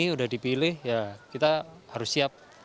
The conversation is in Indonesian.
ini udah dipilih ya kita harus siap